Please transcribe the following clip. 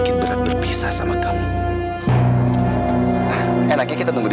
kalau amira sudah tinggal